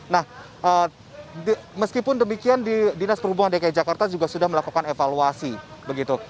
nah meskipun demikian di dinas perhubungan dki jakarta juga sudah melakukan evaluasi begitu